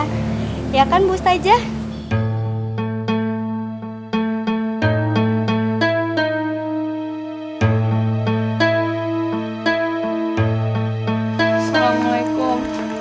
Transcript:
iya kan bu stajieh